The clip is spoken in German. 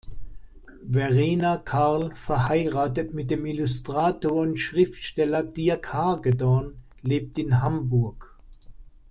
Verena Carl, verheiratet mit dem Illustrator und Schriftsteller Dierk Hagedorn, lebt in Hamburg.